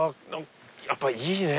やっぱりいいね！